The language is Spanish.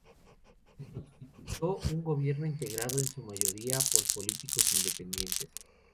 Se constituyó un gobierno integrado en su mayoría por políticos independientes.